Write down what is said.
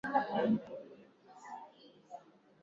rifa ifuatayo inaelezea shughuli ya kuapishwa kwa rais huyo